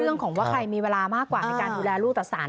เรื่องของว่าใครมีเวลามากกว่าในการดูแลลูกต่อสาร